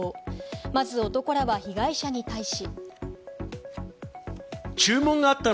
まず男らは被害者に対し。